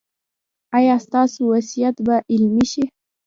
ایا ستاسو وصیت به عملي شي؟